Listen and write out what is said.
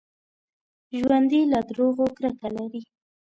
ژوندي له دروغو کرکه لري